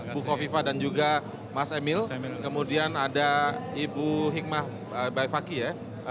bu kofifa dan juga mas emil kemudian ada ibu hikmah baik fakih ya